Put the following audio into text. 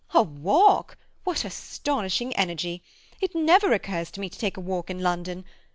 "A walk? What astonishing energy! It never occurs to me to take a walk in London.